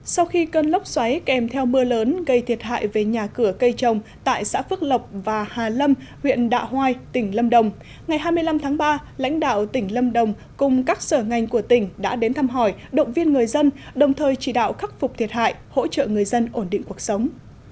sau khi cơn lốc xoáy kèm theo mưa lớn gây thiệt hại về nhà cửa cây trồng tại xã phước lộc và hà lâm huyện đạ hoai tỉnh lâm đồng ngày hai mươi năm tháng ba lãnh đạo tỉnh lâm đồng cùng các sở ngành của tỉnh đã đến thăm hỏi động viên người dân đồng thời chỉ đạo khắc phục thiệt hại hỗ trợ người dân ổn định cuộc sống